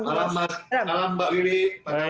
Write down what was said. selamat malam mbak wiwi